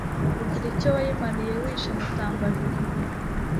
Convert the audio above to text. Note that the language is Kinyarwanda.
Ugira icyo wayimariye wishe Mutambajuru,